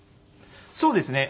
そうですね。